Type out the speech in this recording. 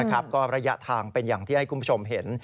ก็ระยะทางเป็นอย่างที่ให้คุณผู้ชมเห็น